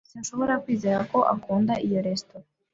Sinshobora kwizera ko ukunda iyo resitora.